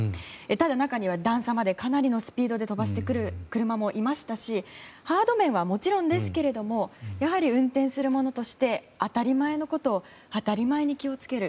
中には段差までかなりのスピードで来る車もいましたしハード面はもちろんですけれどもやはり運転する者として当たり前のことを当たり前に気をつける。